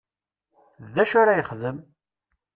D acu ara yexdem ?